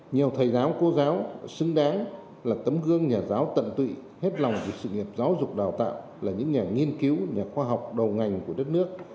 nhiều thầy giáo cô giáo xứng đáng là tấm gương nhà giáo tận tụy hết lòng vì sự nghiệp giáo dục đào tạo là những nhà nghiên cứu nhà khoa học đầu ngành của đất nước